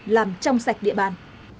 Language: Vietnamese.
làm trong sạch địa bàn